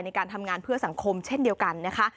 ในการทำงานเพื่อสังคมเช่นเดียวกันนะคะ